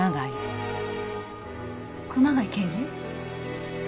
熊谷刑事？